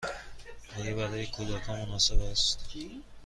آیا برای کودکان مناسب است؟